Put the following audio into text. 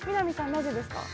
なぜですか？